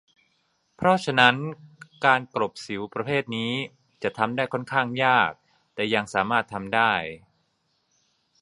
เพราะฉะนั้นการกลบสิวประเภทนี้จะทำได้ค่อนข้างยาก แต่ยังสามารถทำได้